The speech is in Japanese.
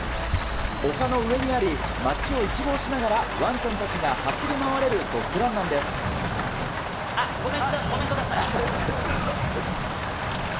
丘の上にあり、街を一望しながらワンちゃんたちが走り回れるドッごめんください。